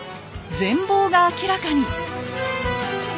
全貌が明らかに！